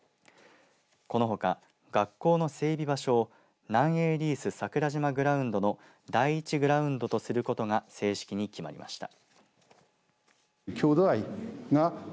このほか、学校の整備場所を南栄リース桜島グラウンドの第１グラウンドとすることが正式に決まりました。